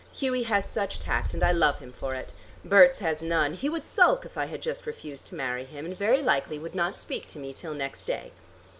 "Hughie has such tact, and I love him for it. Berts has none: he would sulk if I had just refused to marry him and very likely would not speak to me till next day."